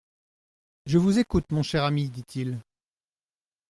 Je vous écoute, mon cher ami, dit-il.